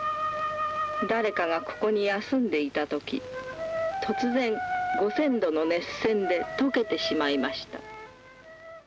誰かがここに休んでいた時突然５，０００度の熱線で溶けてしまいました